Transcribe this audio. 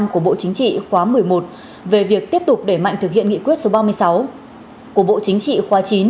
của bộ chính trị khóa một mươi một về việc tiếp tục đẩy mạnh thực hiện nghị quyết số ba mươi sáu của bộ chính trị khóa chín